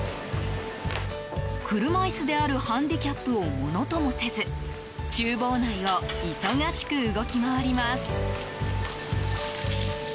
車椅子であるハンディキャップをものともせず厨房内を忙しく動き回ります。